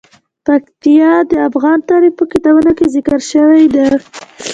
پکتیا د افغان تاریخ په کتابونو کې ذکر شوی دي.